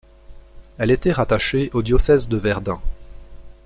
Elle était rattachée au diocèse de Verdun.